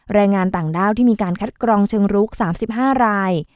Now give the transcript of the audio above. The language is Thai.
แรงงานต่างด้าวที่มีการคัดกรองเชิงรุก๓๕ราย